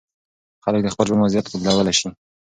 خلک د خپل ژوند وضعیت بدلولی سي.